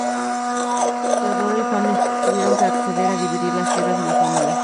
Teodoro y Juan tuvieron que acceder a dividir las tierras de la familia.